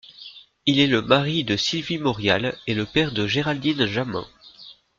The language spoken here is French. Il est le mari de Sylvie Maurial et le père de Géraldine Jamin.